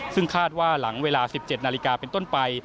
ซึ่งคาดว่าหลังเวลา๑๗นาฬิกาเป็นต้นไป